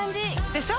でしょ？